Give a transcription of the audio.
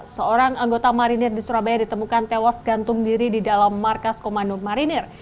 seorang anggota marinir di surabaya ditemukan tewas gantung diri di dalam markas komando marinir